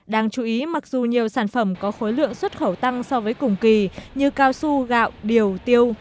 đáng chú ý mặc dù nhiều sản phẩm có khối lượng xuất khẩu tăng so với cùng kỳ như cao su gạo điều tiêu